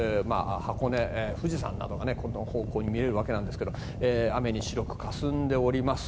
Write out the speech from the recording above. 箱根、富士山などがこの方向に見えるわけなんですが雨に白くかすんでおります。